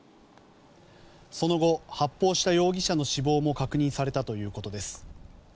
その後、発砲した容疑者の死亡も確認されたということです。